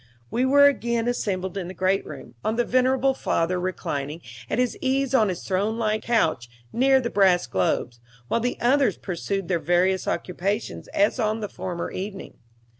We were again assembled in the great room, the venerable father reclining at his ease on his throne like couch near the brass globes, while the others pursued their various occupations as on the former evening.